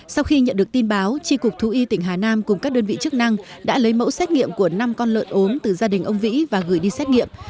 sau khi nhận được tin báo tri cục thú y tỉnh hà nam cùng các đơn vị chức năng đã lấy mẫu xét nghiệm của năm con lợn ốm từ gia đình ông vĩ và gửi đi xét nghiệm